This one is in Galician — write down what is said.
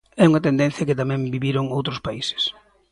É unha tendencia que tamén viviron outros países.